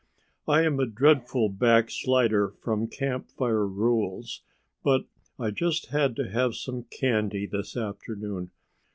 "I am a dreadful backslider from Camp Fire rules, but I just had to have some candy this afternoon.